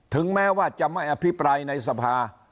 ถึงแม้ว่าจะไม่อภิปรายในสภา